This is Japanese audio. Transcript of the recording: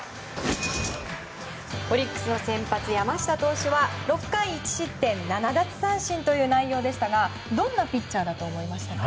オリックスの先発、山下投手は６回１失点７奪三振という内容でしたがどんなピッチャーだと思いましたか？